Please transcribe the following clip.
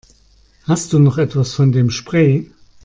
Hast du noch was von dem Spray?